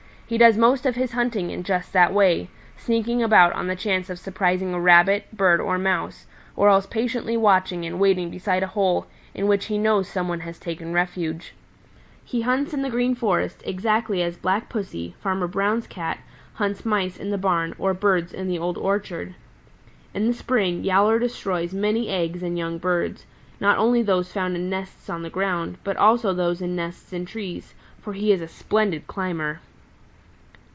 "He does most of his hunting in just that way, sneaking about on the chance of surprising a Rabbit, Bird or Mouse, or else patiently watching and waiting beside a hole in which he knows some one has taken refuge. He hunts in the Green Forest exactly as Black Pussy, Farmer Brown's Cat, hunts Mice in the barn or Birds in the Old Orchard. In the spring Yowler destroys many eggs and young birds, not only those found in nests on the ground, but also those in nests in trees, for he is a splendid climber.